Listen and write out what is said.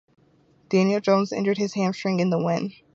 Daniel Jones injured his hamstring in the win.